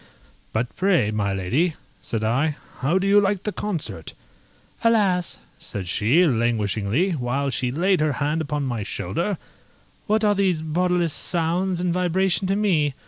"But pray, my lady," said I, "how do you like the concert?" "Alas!" said she, languishingly, while she laid her hand upon my shoulder, "what are these bodiless sounds and vibration to me?